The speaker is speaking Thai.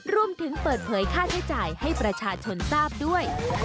รวมถึงเปิดเผยค่าใช้จ่ายให้ประชาชนทราบด้วย